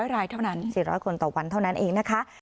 รายเท่านั้น๔๐๐คนต่อวันเท่านั้นเองนะคะ